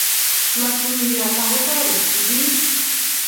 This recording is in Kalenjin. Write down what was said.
masuiyoo ak kotoretii bik